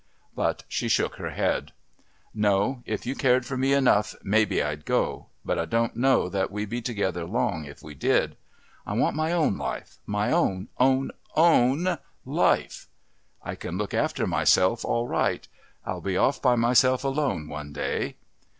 But she shook her head. "No if you cared for me enough, mebbe I'd go. But I don't know that we'd be together long if we did. I want my own life, my own, own, own life! I can look after myself all right...I'll be off by myself alone one day."